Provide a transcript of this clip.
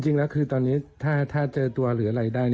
จริงแล้วคือตอนนี้ถ้าเจอตัวหรืออะไรได้